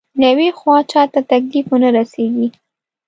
له يوې خوا چاته تکليف ونه رسېږي.